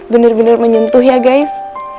bener bener menyentuh ya guys